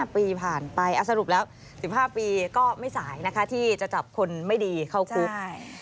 ปีผ่านไปสรุปแล้ว๑๕ปีก็ไม่สายนะคะที่จะจับคนไม่ดีเข้าคุก